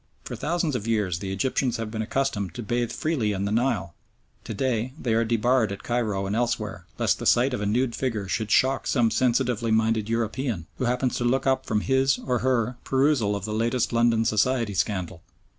For thousands of years the Egyptians have been accustomed to bathe freely in the Nile, to day they are debarred at Cairo and elsewhere, lest the sight of a nude figure should shock some sensitively minded European who happens to look up from his, or her, perusal of the latest London society scandal.